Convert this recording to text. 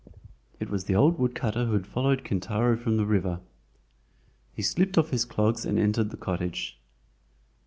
It was the old woodcutter who had followed Kintaro from the river. He slipped off his clogs and entered the cottage.